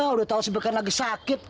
udah tau si beken lagi sakit